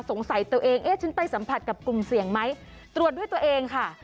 ตัวเองเอ๊ะฉันไปสัมผัสกับกลุ่มเสี่ยงไหมตรวจด้วยตัวเองค่ะ